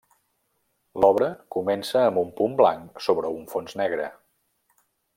L'obra comença amb un punt blanc sobre un fons negre.